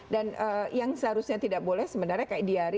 dan yang seharusnya tidak boleh sebenarnya kayak diari